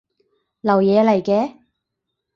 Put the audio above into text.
流嘢嚟嘅